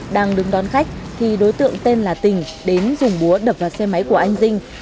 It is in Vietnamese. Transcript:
đang đứng đón khách thì đối tượng tên là tình đến dùng búa đập vào xe máy của anh dinh